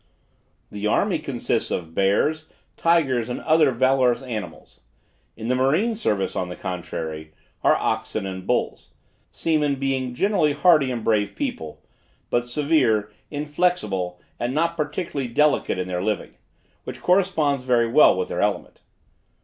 The army consists of bears, tigers and other valorous animals; in the marine service, on the contrary, are oxen and bulls; seamen being generally hardy and brave people; but severe, inflexible, and not particularly delicate in their living, which corresponds very well with their element.